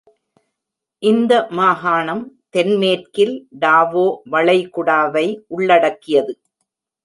இந்த மாகாணம் தென்மேற்கில் டாவோ வளைகுடாவை உள்ளடக்கியது.